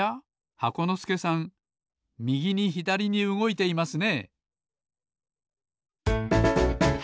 箱のすけさんみぎにひだりにうごいていますね。